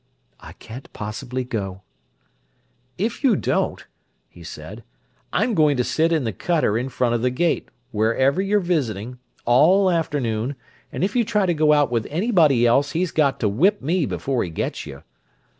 "I can't possibly go." "If you don't," he said, "I'm going to sit in the cutter in front of the gate, wherever you're visiting, all afternoon, and if you try to go out with anybody else he's got to whip me before he gets you."